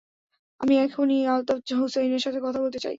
আমি এখনি আলতাফ হুসাইন এর সাথে কথা বলতে চাই।